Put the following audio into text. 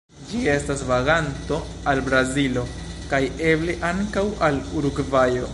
Ĝi estas vaganto al Brazilo kaj eble ankaŭ al Urugvajo.